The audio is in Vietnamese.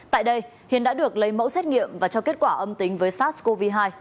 tại đây hiền đã được lấy mẫu xét nghiệm và cho kết quả âm tính với sars cov hai